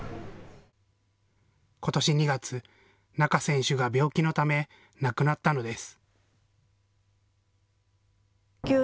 ことし２月、仲選手が病気のため亡くなったのです。